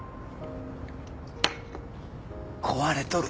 壊れとる。